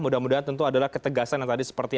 mudah mudahan tentu adalah ketegasan yang tadi seperti